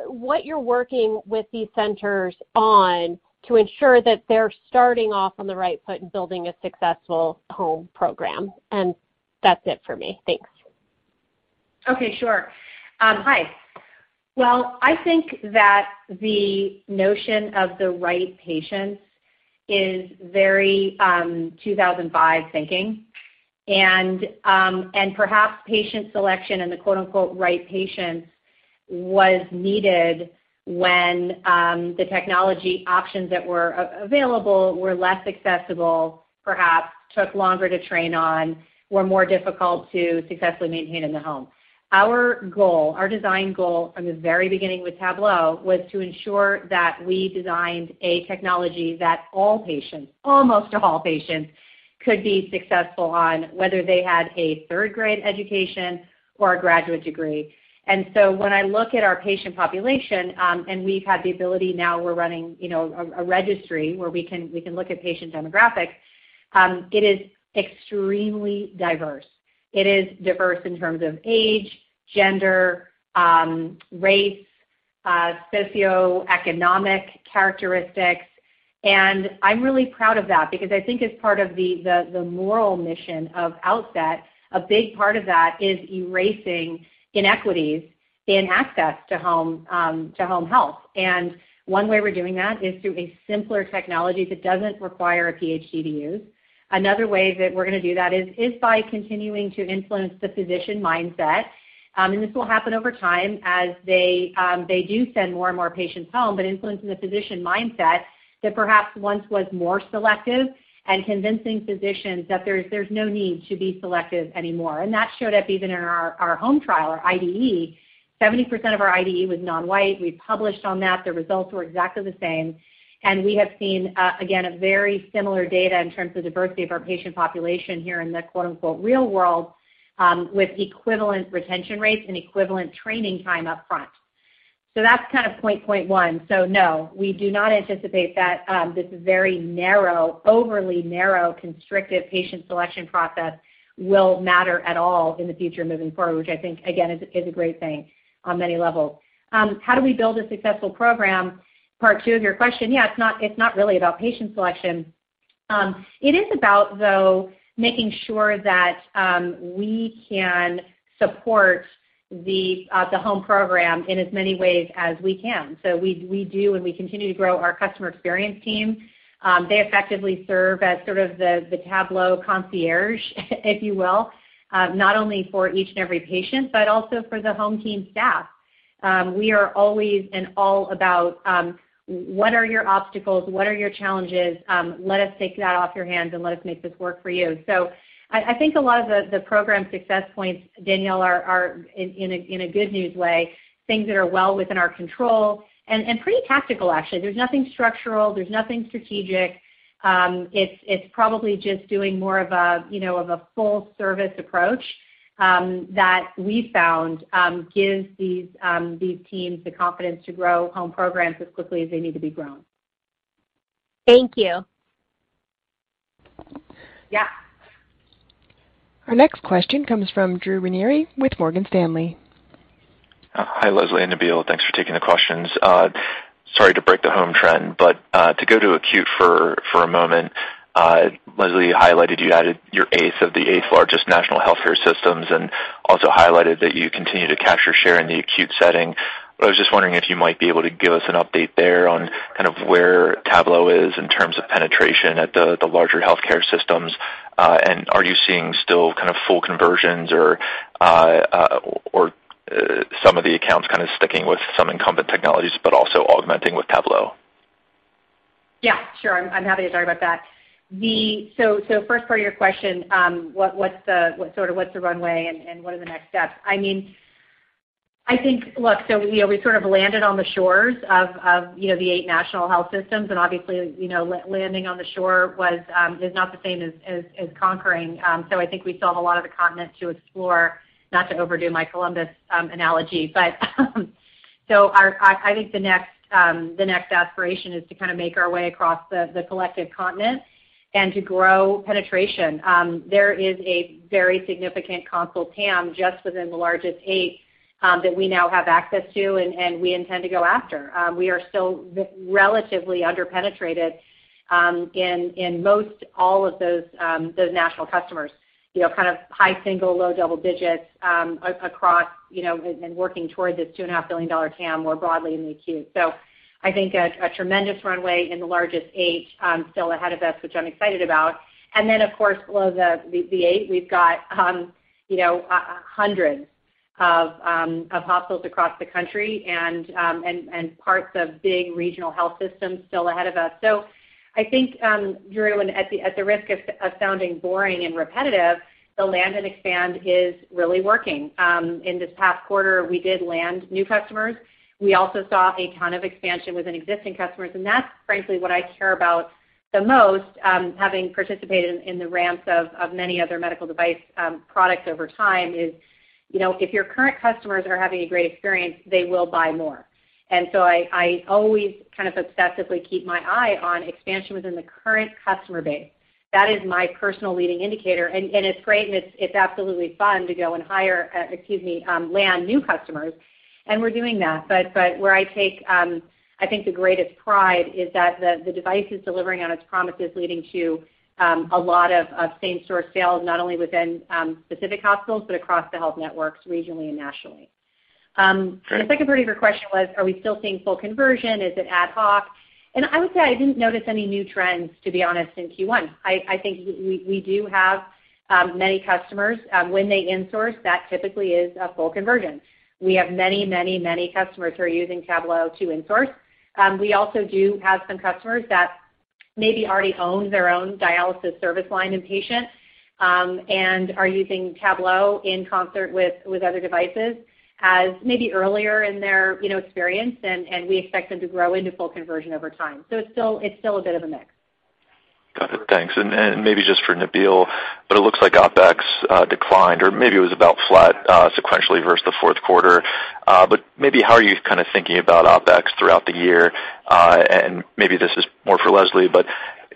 Speaker 10: you're working with these centers on to ensure that they're starting off on the right foot in building a successful home program? That's it for me. Thanks.
Speaker 3: Okay, sure. I think that the notion of the right patients is very 2005 thinking. Perhaps patient selection and the quote, unquote "right patients" was needed when the technology options that were available were less accessible, perhaps took longer to train on, were more difficult to successfully maintain in the home. Our goal, our design goal from the very beginning with Tablo was to ensure that we designed a technology that all patients, almost all patients could be successful on, whether they had a third-grade education or a graduate degree. When I look at our patient population, and we've had the ability now we're running, you know, a registry where we can look at patient demographics, it is extremely diverse. It is diverse in terms of age, gender, race, socioeconomic characteristics, and I'm really proud of that because I think it's part of the moral mission of Outset. A big part of that is erasing inequities in access to home health. One way we're doing that is through a simpler technology that doesn't require a PhD to use. Another way that we're gonna do that is by continuing to influence the physician mindset, and this will happen over time as they do send more and more patients home, but influencing the physician mindset that perhaps once was more selective and convincing physicians that there's no need to be selective anymore. That showed up even in our home trial or IDE. 70% of our IDE was non-white. We published on that. The results were exactly the same. We have seen again a very similar data in terms of diversity of our patient population here in the quote-unquote real world with equivalent retention rates and equivalent training time upfront. That's kind of point one. No, we do not anticipate that this very narrow overly narrow constrictive patient selection process will matter at all in the future moving forward, which I think again is a great thing on many levels. How do we build a successful program? Part two of your question. Yeah, it's not really about patient selection. It is about though making sure that we can support the home program in as many ways as we can. We do and we continue to grow our customer experience team. They effectively serve as sort of the Tablo concierge, if you will, not only for each and every patient, but also for the home team staff. We are always and all about, what are your obstacles? What are your challenges? Let us take that off your hands and let us make this work for you. I think a lot of the program success points, Danielle, are in a good news way, things that are well within our control and pretty tactical, actually. There's nothing structural, there's nothing strategic. It's probably just doing more of a, you know, of a full service approach, that we found gives these teams the confidence to grow home programs as quickly as they need to be grown.
Speaker 10: Thank you.
Speaker 3: Yeah.
Speaker 1: Our next question comes from Drew Ranieri with Morgan Stanley.
Speaker 11: Hi, Leslie and Nabeel. Thanks for taking the questions. Sorry to break the home trend, but to go to acute for a moment, Leslie highlighted you added your eighth of the eighth largest national healthcare systems and also highlighted that you continue to capture share in the acute setting. I was just wondering if you might be able to give us an update there on kind of where Tablo is in terms of penetration at the larger healthcare systems. Are you seeing still kind of full conversions or some of the accounts kind of sticking with some incumbent technologies but also augmenting with Tablo?
Speaker 3: Yeah, sure. I'm happy to talk about that. First part of your question, what's the sort of runway and what are the next steps? I mean, I think. Look, you know, we sort of landed on the shores of you know, the eight national health systems, and obviously, you know, landing on the shore is not the same as conquering. I think we still have a lot of the continent to explore, not to overdo my Columbus analogy. I think the next aspiration is to kind of make our way across the collective continent and to grow penetration. There is a very significant consult TAM just within the largest eight that we now have access to and we intend to go after. We are still relatively under-penetrated in most all of those national customers. You know, kind of high single, low double digits across, you know, and working towards this $2.5 billion TAM more broadly in the acute. I think a tremendous runway in the largest eight still ahead of us, which I'm excited about. Then, of course, below the eight, we've got hundreds of hospitals across the country and parts of big regional health systems still ahead of us. I think, Drew, at the risk of sounding boring and repetitive, the land and expand is really working. In this past quarter, we did land new customers. We also saw a ton of expansion within existing customers, and that's frankly what I care about the most, having participated in the ramps of many other medical device products over time, you know, if your current customers are having a great experience, they will buy more. I always kind of obsessively keep my eye on expansion within the current customer base. That is my personal leading indicator. It's great and it's absolutely fun to go and land new customers, and we're doing that. But where I take, I think, the greatest pride is that the device is delivering on its promises, leading to a lot of same store sales, not only within specific hospitals, but across the health networks, regionally and nationally. The second part of your question was, are we still seeing full conversion? Is it ad hoc? I would say I didn't notice any new trends, to be honest, in Q1. I think we do have many customers when they in-source, that typically is a full conversion. We have many customers who are using Tablo to in-source. We also do have some customers that maybe already own their own dialysis service line inpatient and are using Tablo in concert with other devices as maybe earlier in their, you know, experience, and we expect them to grow into full conversion over time. It's still a bit of a mix.
Speaker 11: Got it. Thanks. Maybe just for Nabeel, but it looks like OpEx declined, or maybe it was about flat, sequentially versus the fourth quarter. Maybe how are you kind of thinking about OpEx throughout the year? Maybe this is more for Leslie, but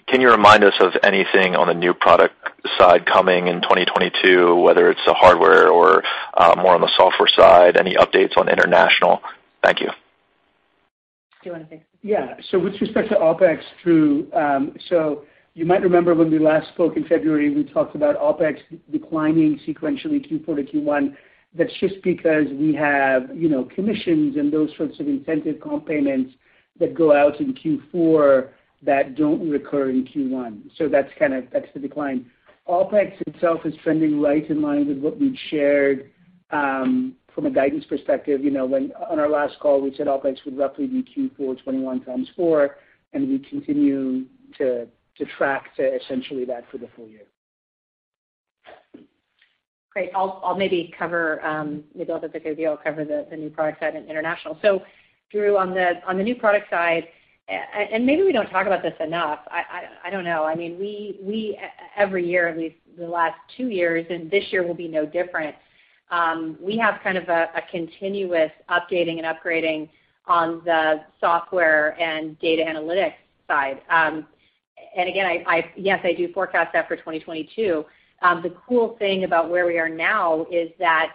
Speaker 11: can you remind us of anything on the new product side coming in 2022, whether it's the hardware or more on the software side? Any updates on international? Thank you.
Speaker 3: Do you want to take this?
Speaker 4: Yeah. With respect to OpEx, Drew, you might remember when we last spoke in February, we talked about OpEx declining sequentially Q4 to Q1. That's just because we have, you know, commissions and those sorts of incentive comp payments that go out in Q4 that don't recur in Q1. That's the decline. OpEx itself is trending right in line with what we've shared. From a guidance perspective, you know, when, on our last call, we said OpEx would roughly be Q4 21 x four, and we continue to track to essentially that for the full year.
Speaker 3: Great. I'll just quickly cover the new product side and international. Drew, on the new product side, and maybe we don't talk about this enough. I don't know. I mean, we every year, at least the last two years, and this year will be no different, we have kind of a continuous updating and upgrading on the software and data analytics side. And again, yes, I do forecast that for 2022. The cool thing about where we are now is that,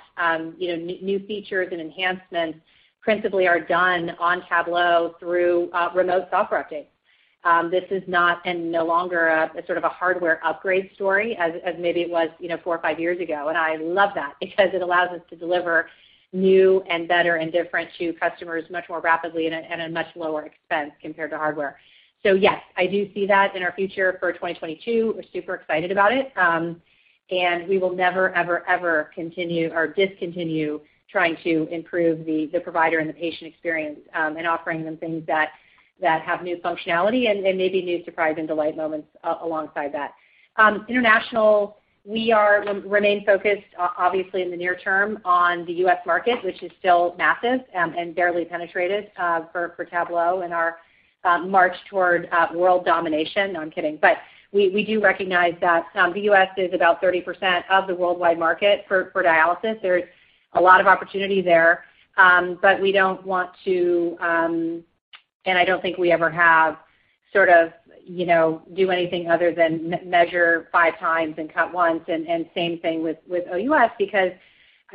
Speaker 3: you know, new features and enhancements principally are done on Tablo through remote software updates. This is not and no longer a sort of a hardware upgrade story as maybe it was, you know, four or five years ago, and I love that because it allows us to deliver new and better and different to customers much more rapidly and at much lower expense compared to hardware. Yes, I do see that in our future for 2022. We're super excited about it. We will never, ever, discontinue trying to improve the provider and the patient experience in offering them things that have new functionality and maybe new surprise and delight moments alongside that. International, we remain focused obviously in the near term on the U.S. market, which is still massive and barely penetrated for Tablo and our march toward world domination. No, I'm kidding. We do recognize that the U.S. is about 30% of the worldwide market for dialysis. There's a lot of opportunity there, but we don't want to, and I don't think we ever have sort of, you know, do anything other than measure five times and cut once and same thing with OUS because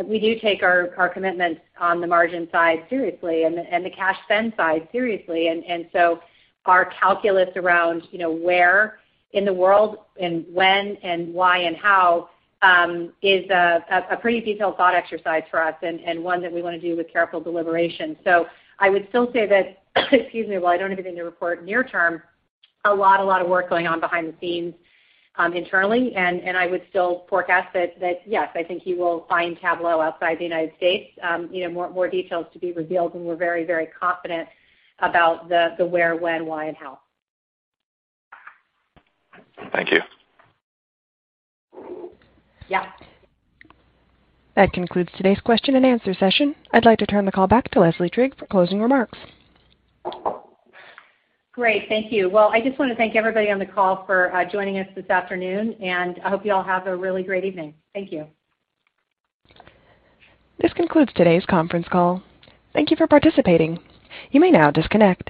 Speaker 3: we do take our commitments on the margin side seriously and the cash spend side seriously. So our calculus around, you know, where in the world and when and why and how is a pretty detailed thought exercise for us and one that we wanna do with careful deliberation. I would still say that, excuse me, while I don't have it in the report near term, a lot of work going on behind the scenes internally. I would still forecast that, yes, I think you will find Tablo outside the United States, you know, more details to be revealed, and we're very confident about the where, when, why, and how.
Speaker 11: Thank you.
Speaker 3: Yeah.
Speaker 1: That concludes today's question and answer session. I'd like to turn the call back to Leslie Trigg for closing remarks.
Speaker 3: Great. Thank you. Well, I just wanna thank everybody on the call for joining us this afternoon, and I hope you all have a really great evening. Thank you.
Speaker 1: This concludes today's conference call. Thank you for participating. You may now disconnect.